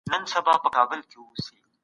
پر دې لاښ به تېرېدل ماته آسان وي